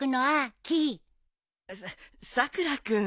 ささくら君。